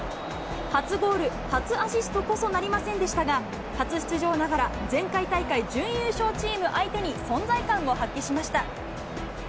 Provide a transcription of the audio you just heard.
初ゴール、初アシストこそなりませんでしたが、初出場ながら、前回大会準優勝チーム相手に存在感を発揮しました。